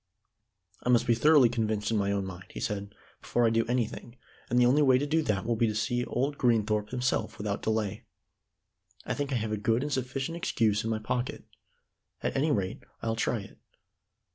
"I must be thoroughly convinced in my own mind," he said "before I do anything, and the only way to do that will be to see old Greenthorpe himself without delay. I think I have a good and sufficient excuse in my pocket. At any rate, I'll try it."